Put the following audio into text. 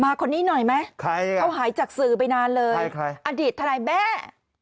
คนนี้หน่อยไหมเขาหายจากสื่อไปนานเลยอดีตทนายแบ้